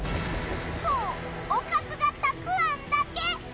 そう、おかずがたくあんだけ！